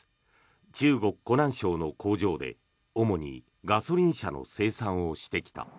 中国・湖南省の工場で主にガソリン車の生産をしてきた。